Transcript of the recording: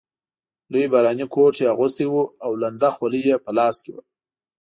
لوی باراني کوټ یې اغوستی وو او لنده خولۍ یې په لاس کې وه.